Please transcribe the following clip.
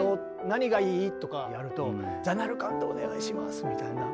何がいい？」とかやると「ザナルカンドお願いします」みたいな。